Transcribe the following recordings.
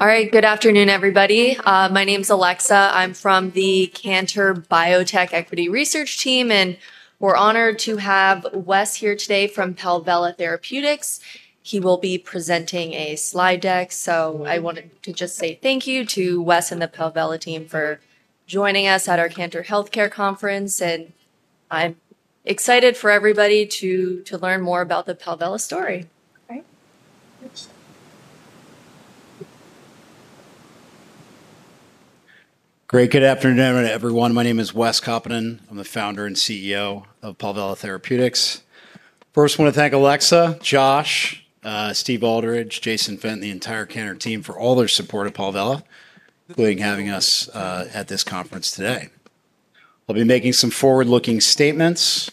All right, good afternoon, everybody. My name is Alexa. I'm from the Cantor Biotech Equity Research Team, and we're honored to have Wes here today from Palvella Therapeutics. He will be presenting a slide deck. I wanted to just say thank you to Wes and the Palvella team for joining us at our Canter Healthcare Conference. I'm excited for everybody to learn more about the Palvella story. Great, good afternoon, everyone. My name is Wes Kaupinen. I'm the Founder and CEO of Palvella Therapeutics. First, I want to thank Alexa, Josh, Steve Aldridge, Jason Fenton, and the entire Cantor team for all their support of Palvella, including having us at this conference today. I'll be making some forward-looking statements.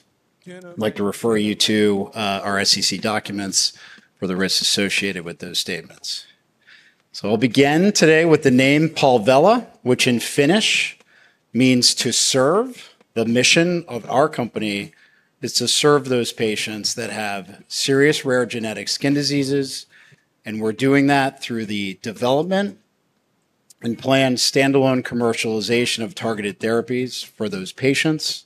I'd like to refer you to our SEC documents for the risks associated with those statements. I'll begin today with the name Palvella, which in Finnish means to serve. The mission of our company is to serve those patients that have serious rare genetic skin diseases, and we're doing that through the development and planned standalone commercialization of targeted therapies for those patients.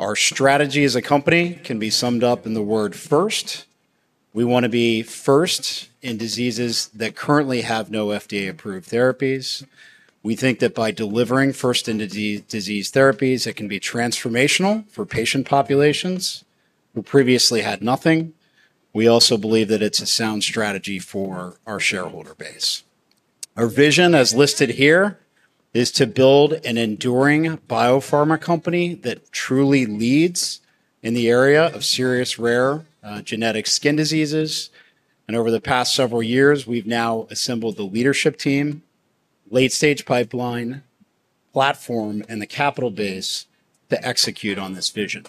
Our strategy as a company can be summed up in the word "first." We want to be first in diseases that currently have no FDA-approved therapies. We think that by delivering first-in-disease therapies, it can be transformational for patient populations who previously had nothing. We also believe that it's a sound strategy for our shareholder base. Our vision, as listed here, is to build an enduring biopharma company that truly leads in the area of serious rare genetic skin diseases. Over the past several years, we've now assembled the leadership team, late-stage pipeline, platform, and the capital base to execute on this vision.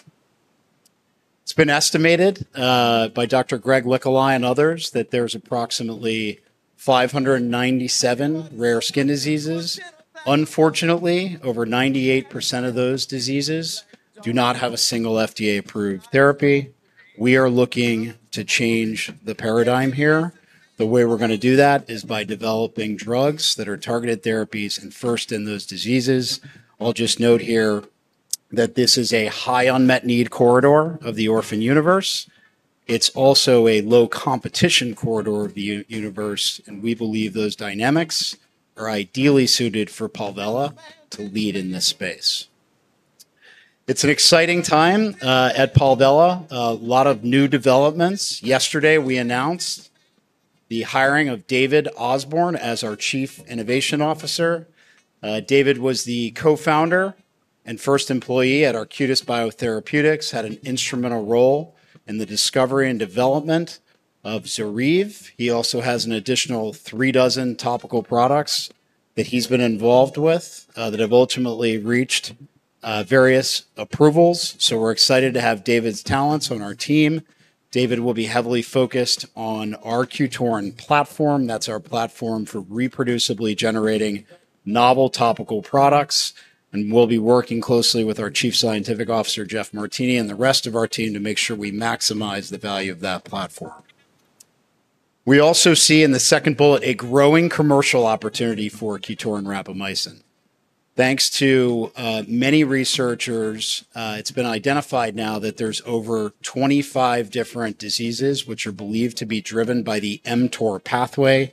It's been estimated by Dr. Greg Licholai and others that there's approximately 597 rare skin diseases. Unfortunately, over 98% of those diseases do not have a single FDA-approved therapy. We are looking to change the paradigm here. The way we're going to do that is by developing drugs that are targeted therapies and first in those diseases. I'll just note here that this is a high unmet need corridor of the orphan universe. It's also a low competition corridor of the universe, and we believe those dynamics are ideally suited for Palvella to lead in this space. It's an exciting time at Palvella. A lot of new developments. Yesterday, we announced the hiring of David Osborne as our chief innovation officer. David was the co-founder and first employee at Arcutis Biotherapeutics, had an instrumental role in the discovery and development of ZORYVE. He also has an additional three dozen topical products that he's been involved with that have ultimately reached various approvals. We're excited to have David's talents on our team. David will be heavily focused on our QTORIN platform. That's our platform for reproducibly generating novel topical products. We'll be working closely with our Chief Scientific Officer, Jeff Martini, and the rest of our team to make sure we maximize the value of that platform. We also see in the second bullet a growing commercial opportunity for QTORIN rapamycin. Thanks to many researchers, it's been identified now that there's over 25 different diseases which are believed to be driven by the mTOR pathway.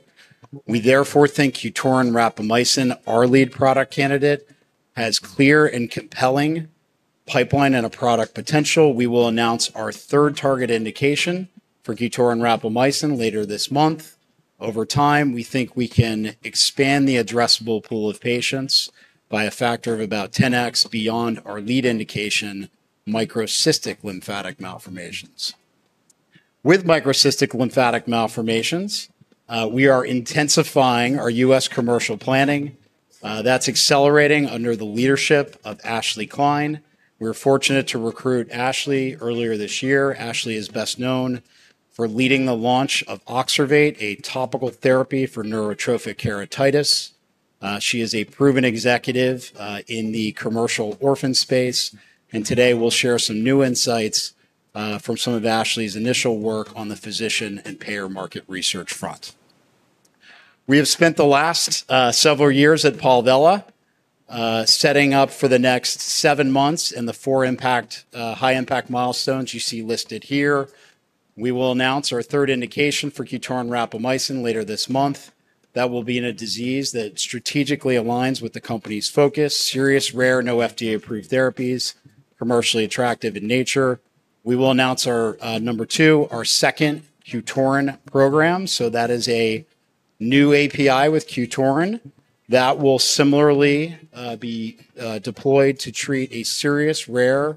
We therefore think QTORIN rapamycin, our lead product candidate, has clear and compelling pipeline and product potential. We will announce our third target indication for QTORIN rapamycin later this month. Over time, we think we can expand the addressable pool of patients by a factor of about 10x beyond our lead indication, microcystic lymphatic malformations. With microcystic lymphatic malformations, we are intensifying our U.S., commercial planning. That's accelerating under the leadership of Ashley Kline. We were fortunate to recruit Ashley earlier this year. Ashley is best known for leading the launch of OXERVATE, a topical therapy for neurotrophic keratitis. She is a proven executive in the commercial orphan space. Today, we'll share some new insights from some of Ashley's initial work on the physician and payer market research front. We have spent the last several years at Palvella setting up for the next seven months in the four high impact milestones you see listed here. We will announce our third indication for QTORIN rapamycin later this month. That will be in a disease that strategically aligns with the company's focus: serious rare, no FDA approved therapies, commercially attractive in nature. We will announce our number two, our second QTORIN program. That is a new API with QTORIN that will similarly be deployed to treat a serious rare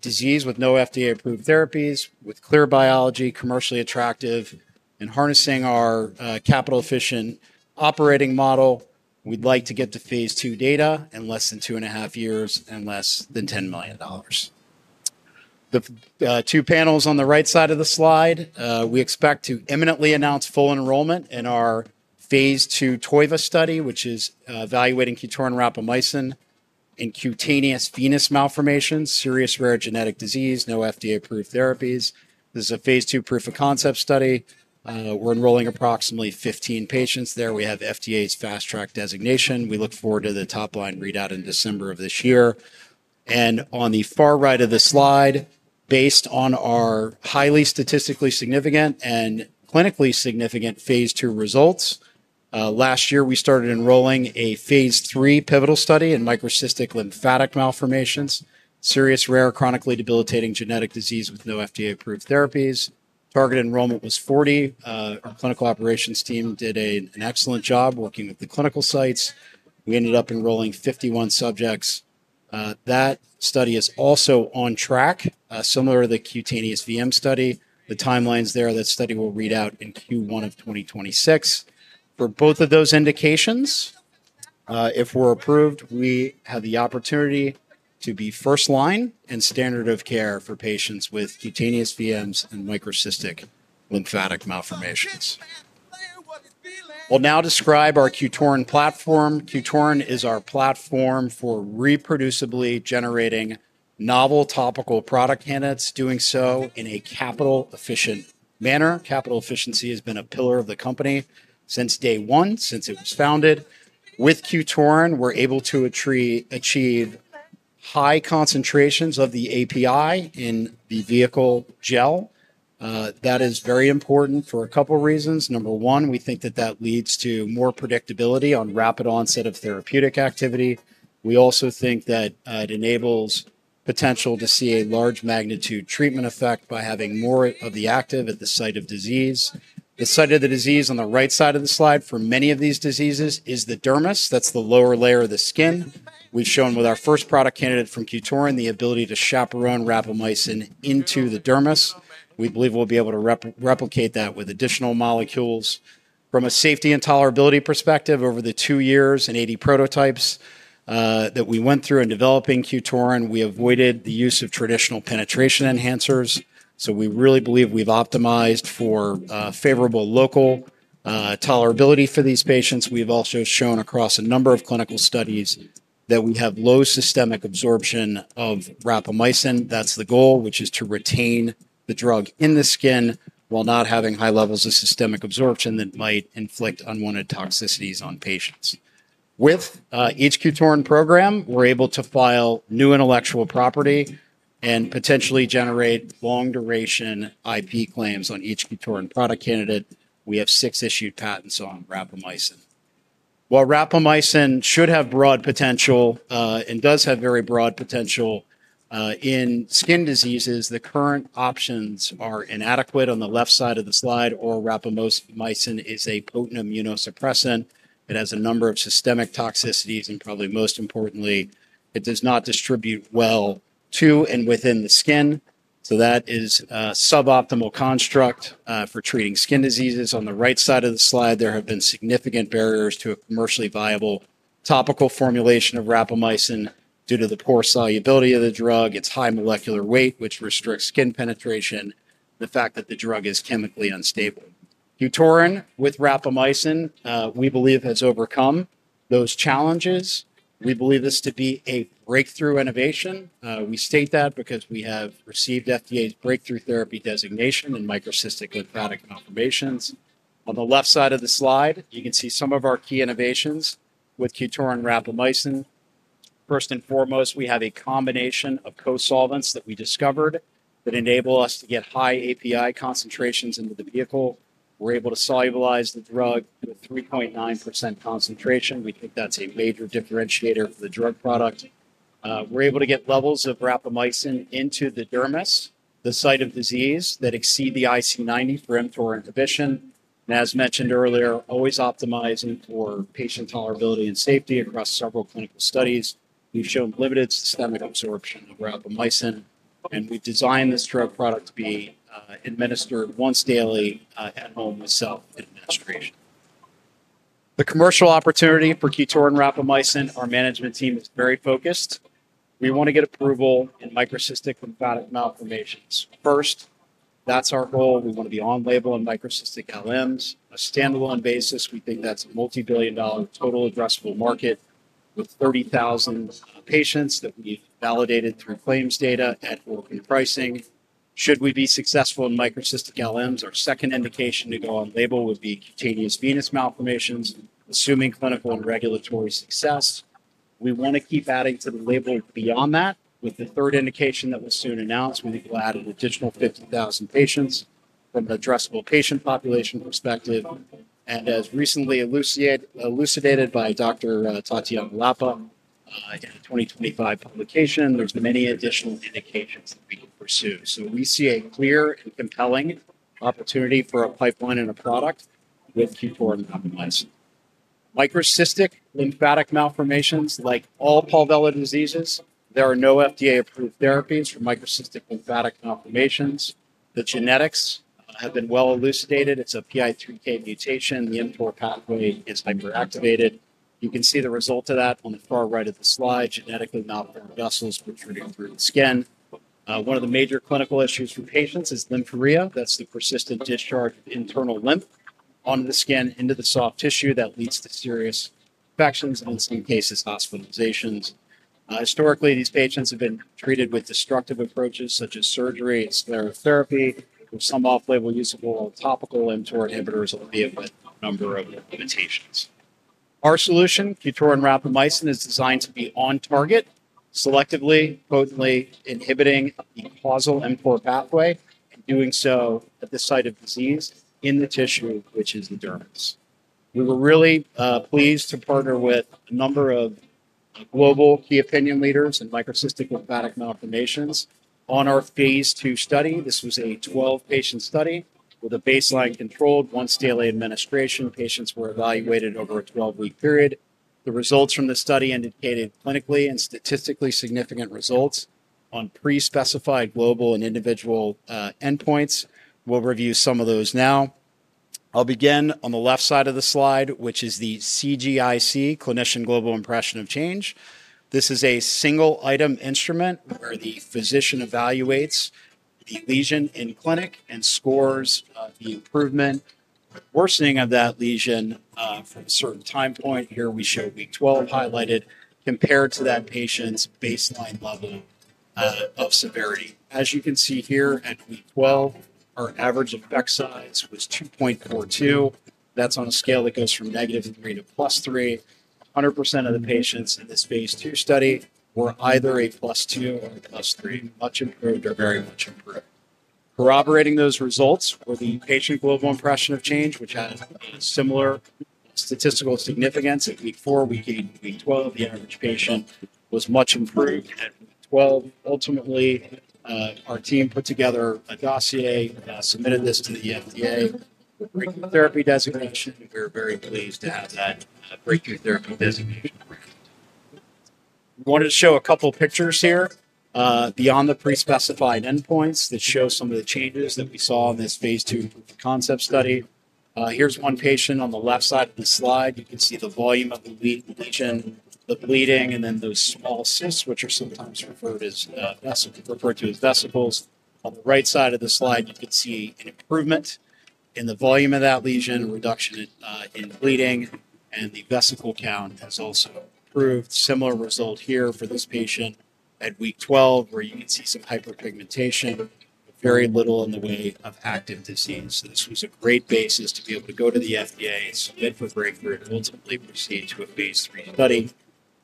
disease with no FDA approved therapies, with clear biology, commercially attractive, and harnessing our capital efficient operating model. We'd like to get to phase II data in less than two and a half years and less than $10 million. The two panels on the right side of the slide, we expect to imminently announce full enrollment in our phase II TOIVA study, which is evaluating QTORIN rapamycin in cutaneous venous malformations, serious rare genetic disease, no FDA approved therapies. This is a phase II proof-of-concept study. We're enrolling approximately 15 patients there. We have FDA's fast track designation. We look forward to the top line readout in December of this year. On the far right of the slide, based on our highly statistically significant and clinically significant phase II results, last year we started enrolling a phase III pivotal study in microcystic lymphatic malformations, a serious rare chronically debilitating genetic disease with no FDA approved therapies. Target enrollment was 40. Our clinical operations team did an excellent job working with the clinical sites. We ended up enrolling 51 subjects. That study is also on track, similar to the cutaneous VM study. The timeline is there, that study will read out in Q1 of 2026. For both of those indications, if we're approved, we have the opportunity to be first line and standard of care for patients with cutaneous VMs and microcystic lymphatic malformations. I'll now describe our QTORIN platform. QTORIN is our platform for reproducibly generating novel topical product candidates, doing so in a capital efficient manner. Capital efficiency has been a pillar of the company since day one, since it was founded. With QTORIN, we're able to achieve high concentrations of the API in the vehicle gel. That is very important for a couple of reasons. Number one, we think that that leads to more predictability on rapid onset of therapeutic activity. We also think that it enables potential to see a large magnitude treatment effect by having more of the active at the site of disease. The site of the disease on the right side of the slide for many of these diseases is the dermis. That's the lower layer of the skin. We've shown with our first product candidate from QTORIN the ability to chaperone rapamycin into the dermis. We believe we'll be able to replicate that with additional molecules. From a safety and tolerability perspective, over the two years in 80 prototypes that we went through in developing QTORIN, we avoided the use of traditional penetration enhancers. We really believe we've optimized for favorable local tolerability for these patients. We've also shown across a number of clinical studies that we have low systemic absorption of rapamycin. That's the goal, which is to retain the drug in the skin while not having high levels of systemic absorption that might inflict unwanted toxicities on patients. With each QTORIN program, we're able to file new intellectual property and potentially generate long duration IP claims on each QTORIN product candidate. We have six issued patents on rapamycin. While rapamycin should have broad potential and does have very broad potential in skin diseases, the current options are inadequate. On the left side of the slide, rapamycin is a potent immunosuppressant. It has a number of systemic toxicities and probably most importantly, it does not distribute well to and within the skin. That is a suboptimal construct for treating skin diseases. On the right side of the slide, there have been significant barriers to a commercially viable topical formulation of rapamycin due to the poor solubility of the drug, its high molecular weight, which restricts skin penetration, and the fact that the drug is chemically unstable. QTORIN with rapamycin, we believe, has overcome those challenges. We believe this to be a breakthrough innovation. We state that because we have received FDA's breakthrough therapy designation in microcystic lymphatic malformations. On the left side of the slide, you can see some of our key innovations with QTORIN rapamycin. First and foremost, we have a combination of co-solvents that we discovered that enable us to get high API concentrations into the vehicle. We're able to solubilize the drug to a 3.9% concentration. We think that's a major differentiator for the drug product. We're able to get levels of rapamycin into the dermis, the site of disease that exceed the IC90 for mTOR inhibition. As mentioned earlier, always optimizing for patient tolerability and safety across several clinical studies, we've shown limited systemic absorption of rapamycin. We've designed this drug product to be administered once daily at home with self-administration. The commercial opportunity for QTORIN rapamycin, our management team is very focused. We want to get approval in microcystic lymphatic malformations first. That's our goal. We want to be on label in microcystic LMs on a standalone basis. We think that's a multi-billion dollar total addressable market with 30,000 patients that we've validated through claims data at orphan pricing. Should we be successful in microcystic LMs, our second indication to go on label would be cutaneous venous malformations, assuming clinical and regulatory success. We want to keep adding to the label beyond that. With the third indication that we'll soon announce, we think we'll add an additional 50,000 patients from the addressable patient population perspective. As recently elucidated by Dr. Tatiana Lapa in a 2025 publication, there's many additional indications that we can pursue. We see a clear and compelling opportunity for a pipeline and a product with QTORIN rapamycin. Microcystic lymphatic malformations, like all Palvella Therapeutics diseases, there are no FDA approved therapies for microcystic lymphatic malformations. The genetics have been well elucidated. It's a PI3K mutation. The mTOR pathway is hyperactivated. You can see the result of that on the far right of the slide, genetically malformed vessels protruding through the skin. One of the major clinical issues for patients is lymphorrhea. That's the persistent discharge of internal lymph onto the skin into the soft tissue that leads to serious infections and in some cases, hospitalizations. Historically, these patients have been treated with destructive approaches such as surgery and sclerotherapy, with some off-label use of oral or topical mTOR inhibitors, albeit with a number of limitations. Our solution, QTORIN rapamycin, is designed to be on target, selectively, potently inhibiting the causal mTOR pathway, and doing so at the site of disease in the tissue, which is the dermis. We were really pleased to partner with a number of global key opinion leaders in microcystic lymphatic malformations on phase II proof-of-concept study. This was a 12-patient study with a baseline controlled once daily administration. Patients were evaluated over a 12-week period. The results from the study indicated clinically and statistically significant results on pre-specified global and individual endpoints. We'll review some of those now. I'll begin on the left side of the slide, which is the CGIC, Clinician Global Impression of Change. This is a single item instrument where the physician evaluates the lesion in clinic and scores the improvement or worsening of that lesion at a certain time point. Here we show week 12 highlighted compared to that patient's baseline level of severity. As you can see here at week 12, our average effect size was 2.42. That's on a scale that goes from negative 3 to plus 3. 100% of the patients in phase II proof-of-concept study were either a plus 2 or a plus 3, much improved or very much improved. Corroborating those results were the Patient Global Impression of Change, which had a similar statistical significance at week four, week eight, and week 12. The average patient was much improved. Our team put together a dossier, submitted this to the FDA, breakthrough therapy designation. We're very pleased to have that breakthrough therapy designation grant. We wanted to show a couple of pictures here beyond the pre-specified endpoints that show some of the changes that we saw in this phase II proof-of-concept study. Here's one patient on the left side of the slide. You can see the volume of the lesion, the bleeding, and then those small cysts, which are sometimes referred to as vesicles. On the right side of the slide, you can see an improvement in the volume of that lesion, reduction in bleeding, and the vesicle count has also improved. Similar result here for this patient at week 12, where you can see some hyperpigmentation, very little in the way of active disease. This was a great basis to be able to go to the FDA and submit for breakthrough and ultimately proceed to phase III pivotal study.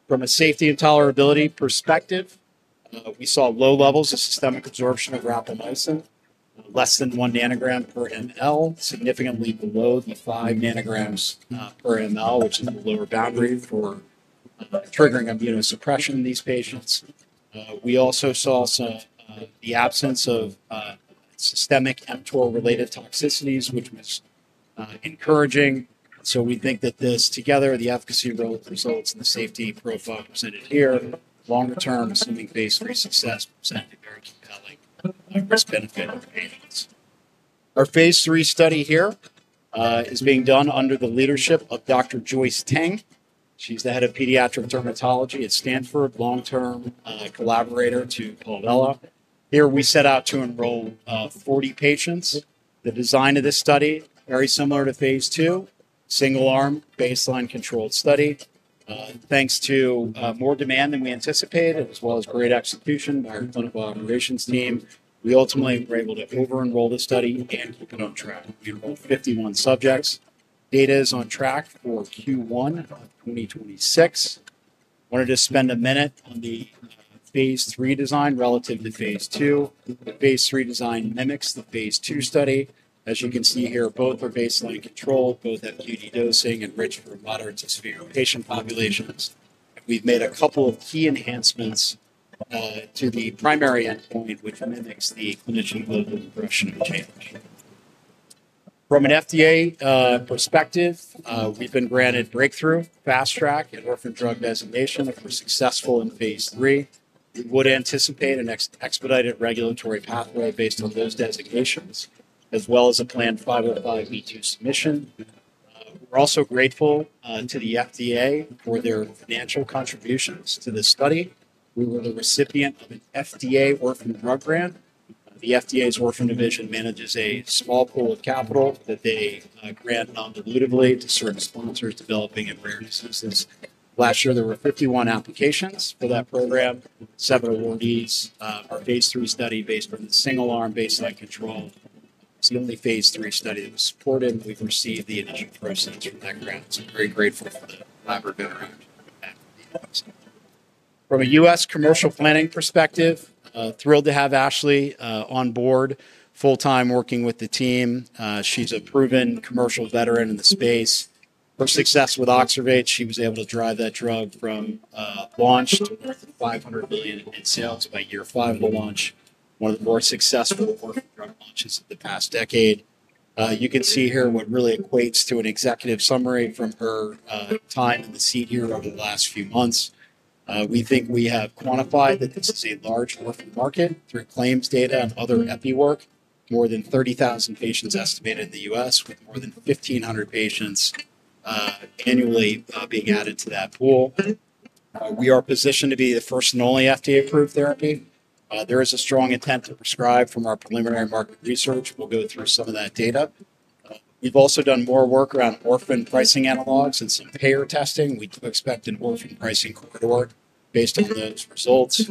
From a safety and tolerability perspective, we saw low levels of systemic absorption of rapamycin, less than 1 nanogram per mL, significantly below the 5 ng per mL, which is the lower boundary for triggering immunosuppression in these patients. We also saw the absence of systemic mTOR-related toxicities, which was encouraging. We think that this together, the efficacy of those results and the safety profile presented here, longer term, assuming phase III success, presented a very compelling risk-benefit rating. phase III pivotal study here is being done under the leadership of Dr. Joyce Teng. She's the Head of Pediatric Dermatology at Stanford, long-term collaborator to Palvella Therapeutics. Here we set out to enroll 40 patients. The design of this study, very similar to phase II, single arm, baseline controlled study. Thanks to more demand than we anticipated, as well as great execution by our clinical operations team, we ultimately were able to over-enroll the study and keep it on track. We enrolled 51 subjects. Data is on track for Q1 of 2026. I wanted to spend a minute on the phase III design relative to phase II. Phase III design mimics the phase II study. As you can see here, both are baseline controlled, both at PD dosing and rich for moderate to severe patient populations. We've made a couple of key enhancements to the primary endpoint, which mimics the clinician global impression of change. From an FDA perspective, we've been granted breakthrough, fast track, and orphan drug designation if we're successful in phase III. We would anticipate an expedited regulatory pathway based on those designations, as well as a planned 505(b)(2) submission. We're also grateful to the FDA for their financial contributions to this study. We were the recipient of an FDA orphan drug grant. The FDA's orphan division manages a small pool of capital that they grant non-dilutively to certain sponsors developing in rare diseases. Last year, there were 51 applications for that program. Seven awardees are phase III study based on the single arm, baseline control. It's the only phase III study that was supported. We've received the initial proceeds from that grant. We're very grateful for the collaborative effort. From a U.S., commercial planning perspective, thrilled to have Ashley on board full-time working with the team. She's a proven commercial veteran in the space. Her success with Oxervate, she was able to drive that drug from launch to more than $500 million in sales by year five of the launch, one of the more successful orphan drug launches of the past decade. You can see here what really equates to an executive summary from her time in the seat here over the last few months. We think we have quantified that this is a large orphan market through claims data and other EPI work. More than 30,000 patients estimated in the U.S., with more than 1,500 patients annually being added to that pool. We are positioned to be the first and only FDA-approved therapy. There is a strong intent to prescribe from our preliminary market research. We'll go through some of that data. We've also done more work around orphan pricing analogues and some payer testing. We do expect an orphan pricing corridor based on those results.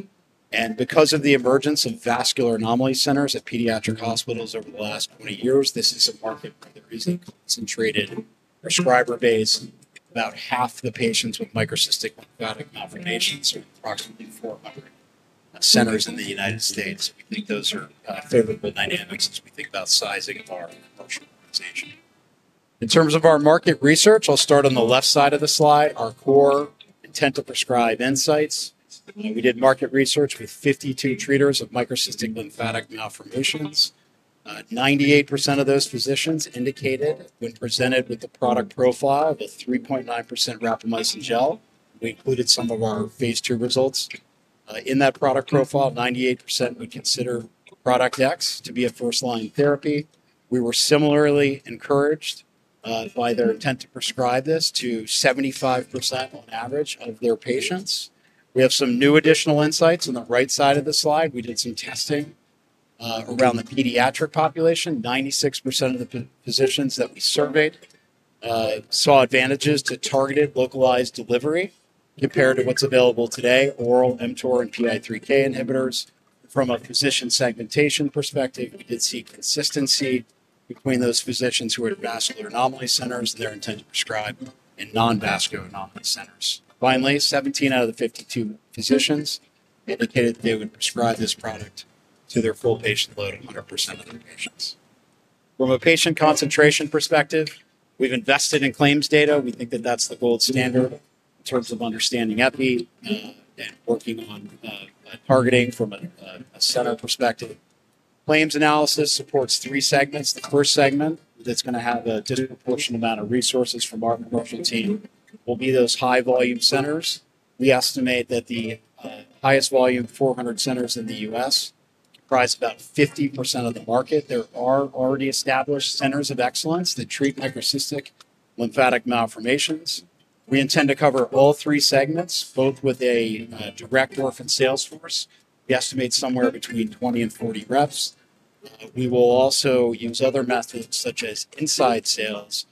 Because of the emergence of vascular anomaly centers at pediatric hospitals over the last 20 years, this is a market for the reason. Concentrated prescriber base, about half the patients with microcystic lymphatic malformations are in approximately four other centers in the United States. I think those are favorable dynamics as we think about sizing of our commercialization. In terms of our market research, I'll start on the left side of the slide, our core intent to prescribe insights. We did market research with 52 treaters of microcystic lymphatic malformations. 98% of those physicians indicated when presented with the product profile of a 3.9% rapamycin gel. We included some of our phase II results. In that product profile, 98% would consider product X to be a first line therapy. We were similarly encouraged by their intent to prescribe this to 75% on average of their patients. We have some new additional insights on the right side of the slide. We did some testing around the pediatric population. 96% of the physicians that we surveyed saw advantages to targeted localized delivery compared to what's available today, oral mTOR and PI3K inhibitors. From a physician segmentation perspective, we did see consistency between those physicians who were at vascular anomaly centers, their intent to prescribe, and non-vascular anomaly centers. Finally, 17 out of the 52 physicians indicated they would prescribe this product to their full patient load at 100% of the patients. From a patient concentration perspective, we've invested in claims data. We think that that's the gold standard in terms of understanding EPI and working on targeting from a center perspective. Claims analysis supports three segments. The first segment that's going to have a disproportionate amount of resources from our commercial team will be those high volume centers. We estimate that the highest volume 400 centers in the U.S., comprise about 50% of the market. There are already established centers of excellence that treat microcystic lymphatic malformations. We intend to cover all three segments, both with a direct orphan sales force. We estimate somewhere between 20 and 40 reps. We will also use other methods such as inside sales.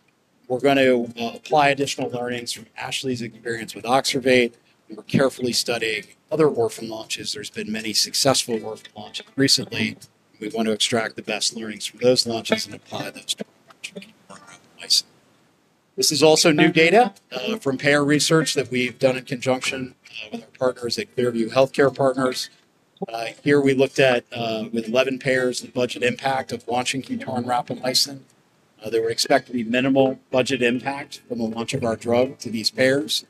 We're going to apply additional learnings from Ashley's experience with OXERVATE. We're carefully studying other orphan launches. There have been many successful orphan launches recently. We want to extract the best learnings from those launches and apply them to QTORIN rapamycin 3.9% anhydrous gel. This is also new data from payer research that we've done in conjunction with our partners at ClearView Healthcare Partners. Here we looked at, with 11 payers, the budget impact of launching QTORIN rapamycin 3.9% anhydrous gel. There were expected to be minimal budget impact from the launch of our drug to these payers.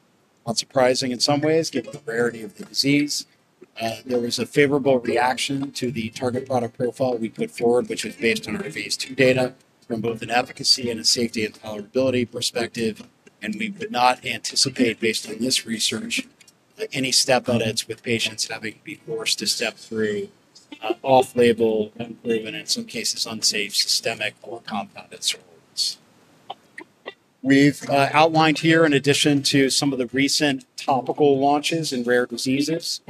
Not surprising in some ways, given the rarity of the disease. There was a favorable reaction to the target product profile we put forward, which was based on our phase II data from both an efficacy and a safety and tolerability perspective. We would not anticipate, based on this research, any step edit with patients having to be forced to step through off-label, unproven, and in some cases unsafe systemic or compounded surveillance. We've outlined here, in addition to some of the recent topical launches in rare diseases,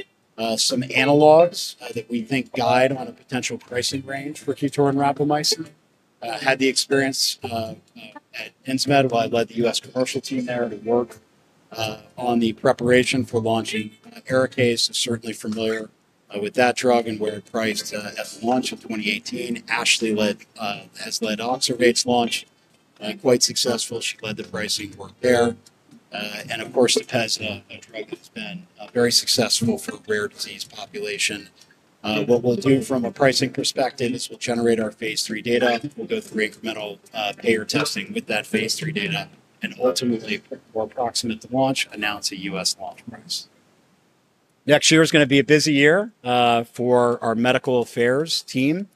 some analogs that we think guide on a potential pricing range for QTORIN rapamycin. I had the experience at Insmed while I led the U.S, commercial team there to work on the preparation for launching Arikayce. I'm certainly familiar with that drug and where it priced at the launch of 2018. Ashley has led OXERVATE's launch. Quite successful. She led the pricing work there. Of course, the Peza, a drug that has been very successful for a rare disease population. What we'll do from a pricing perspective is we'll generate our phase III data. We'll go through incremental payer testing with that phase III data. Ultimately, we'll approximate the launch, announce a U.S., launch price. Next year is going to be a busy year for our Medical Affairs team.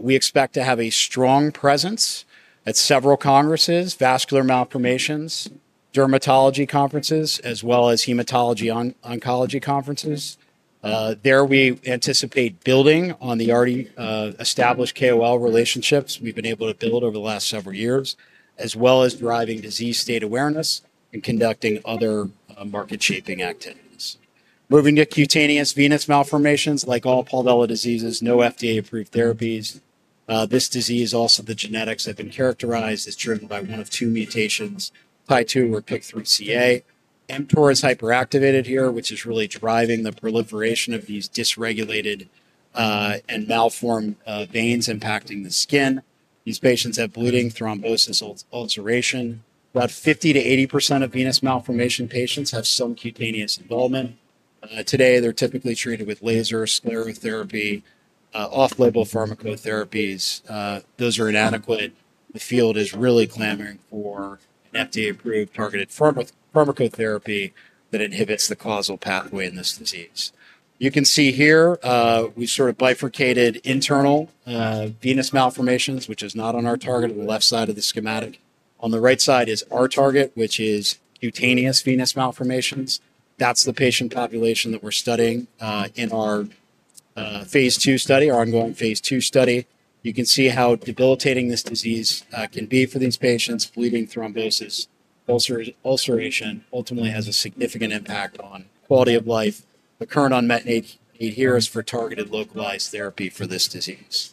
We expect to have a strong presence at several congresses, vascular malformations, dermatology conferences, as well as hematology oncology conferences. There we anticipate building on the already established KOL relationships we've been able to build over the last several years, as well as driving disease state awareness and conducting other market shaping activities. Moving to cutaneous venous malformations, like all Palvella Therapeutics diseases, no FDA approved therapies. This disease, also the genetics have been characterized, is driven by one of two mutations, PI2 or PIK3CA. mTOR is hyperactivated here, which is really driving the proliferation of these dysregulated and malformed veins impacting the skin. These patients have bleeding, thrombosis, ulceration. About 50%- 80% of venous malformation patients have some cutaneous involvement. Today, they're typically treated with laser, sclerotherapy, off-label pharmacotherapies. Those are inadequate. The field is really clamoring for an FDA approved targeted pharmacotherapy that inhibits the causal pathway in this disease. You can see here, we've sort of bifurcated internal venous malformations, which is not on our target on the left side of the schematic. On the right side is our target, which is cutaneous venous malformations. That's the patient population that we're studying in our phase II study, our ongoing phase II study. You can see how debilitating this disease can be for these patients. Bleeding, thrombosis, ulceration ultimately has a significant impact on quality of life. The current unmet need here is for targeted localized therapy for this disease.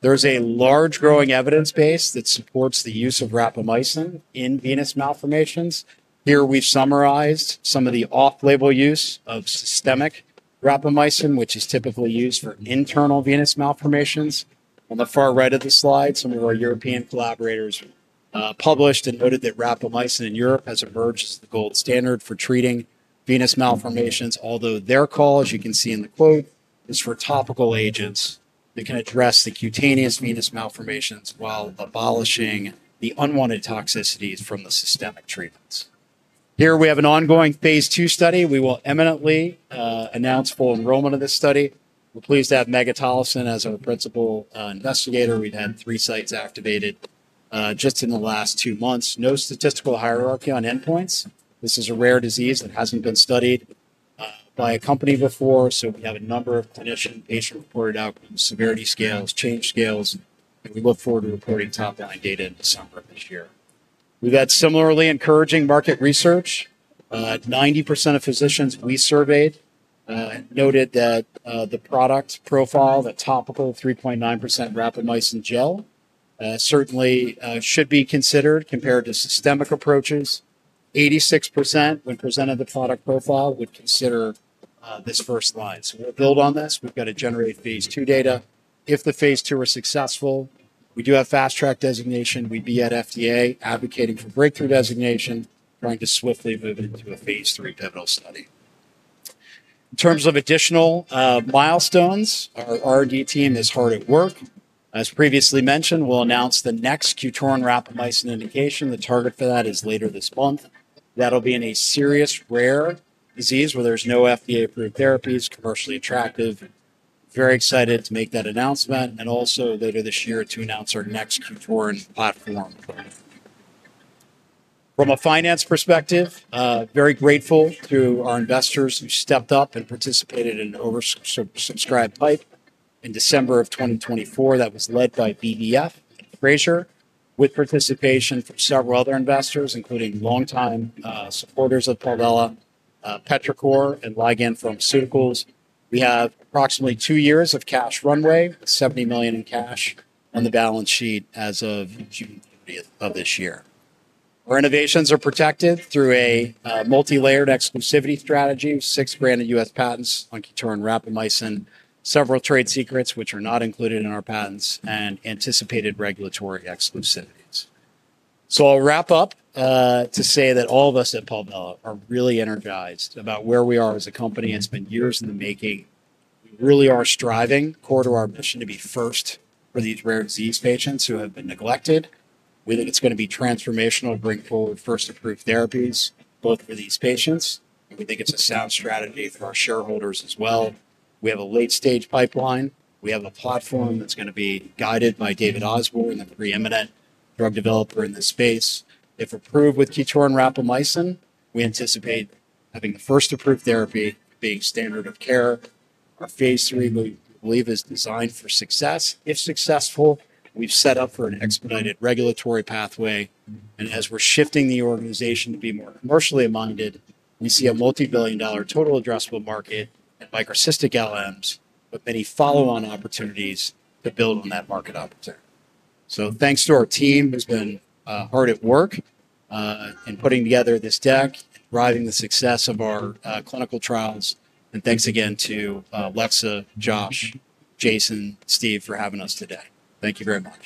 There's a large, growing evidence base that supports the use of rapamycin in venous malformations. Here we've summarized some of the off-label use of systemic rapamycin, which is typically used for internal venous malformations. On the far right of the slide, some of our European collaborators published and noted that rapamycin in Europe has emerged as the gold standard for treating venous malformations, although their call, as you can see in the quote, is for topical agents that can address the cutaneous venous malformations while abolishing the unwanted toxicities from the systemic treatments. Here we have an phase II proof-of-concept study. We will imminently announce full enrollment of this study. We're pleased to have Megatolison as our Principal Investigator. We've had three sites activated just in the last two months. No statistical hierarchy on endpoints. This is a rare disease that hasn't been studied by a company before. We have a number of clinician and patient-reported outcomes, severity scales, change scales, and we look forward to reporting top-line data in December of this year. We've had similarly encouraging market research. At 90% of physicians we surveyed noted that the product profile, that topical 3.9% rapamycin gel, certainly should be considered compared to systemic approaches. 86% when presented the product profile would consider this first line. We build on this. We've got to generate phase II data. If the phase II were successful, we do have fast track designation. We'd be at FDA advocating for breakthrough therapy designation, trying to swiftly move it into a phase III pivotal study. In terms of additional milestones, our R&D team is hard at work. As previously mentioned, we'll announce the next QTORIN rapamycin indication. The target for that is later this month. That'll be in a serious rare disease where there's no FDA approved therapies, commercially attractive. Very excited to make that announcement and also later this year to announce our next QTORIN platform. From a finance perspective, very grateful to our investors who stepped up and participated in an oversubscribed PIPE financing in December of 2024 that was led by BBF and Fraser, with participation from several other investors, including longtime supporters of Palvella, PetraCorp, and Ligand Pharmaceuticals. We have approximately two years of cash runway, $70 million in cash on the balance sheet as of June of this year. Our innovations are protected through a multi-layered exclusivity strategy with six granted U.S., patents on QTORIN rapamycin, several trade secrets which are not included in our patents, and anticipated regulatory exclusivities. I'll wrap up to say that all of us at Palvella are really energized about where we are as a company. It's been years in the making. We really are striving according to our mission to be first for these rare disease patients who have been neglected. We think it's going to be transformational to bring forward first approved therapies both for these patients. We think it's a sound strategy for our shareholders as well. We have a late-stage pipeline. We have a platform that's going to be guided by David Osborne, the preeminent drug developer in this space. If approved with QTORIN rapamycin, we anticipate having the first approved therapy being standard of care. Our phase III, we believe, is designed for success. If successful, we've set up for an expedited regulatory pathway. As we're shifting the organization to be more commercially minded, we see a multi-billion dollar total addressable market at microcystic lymphatic malformations with many follow-on opportunities to build on that market opportunity. Thanks to our team who's been hard at work in putting together this deck, driving the success of our clinical trials. Thanks again to Alexa, Josh, Jason, and Steve for having us today. Thank you very much.